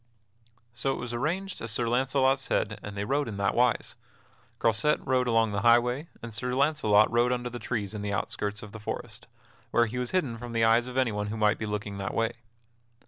So it was arranged as Sir Launcelot said and they rode in that wise: Croisette rode along the highway, and Sir Launcelot rode under the trees in the outskirts of the forest, where he was hidden from the eyes of anyone who might be looking that way.